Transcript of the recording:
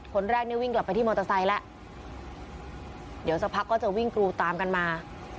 คนแรกเนี่ยวิ่งกลับไปที่มอเตอร์ไซค์แล้วเดี๋ยวสักพักก็จะวิ่งกรูตามกันมา